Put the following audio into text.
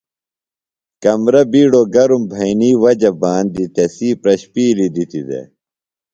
کمرہ بِیڈوۡ گرم بھئینی وجہ باندیۡ تسی پرشپِیلیۡ دِتی دےۡ۔